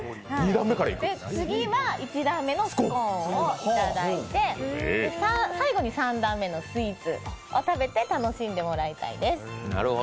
次は１段目のスコーンを頂いて最後に、３段目のスイーツを食べて楽しんでもらいたいです。